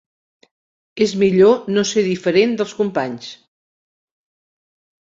És millor no ser diferent dels companys.